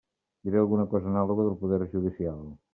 Diré alguna cosa anàloga del poder judicial.